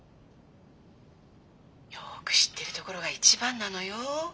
よく知ってるところが一番なのよ。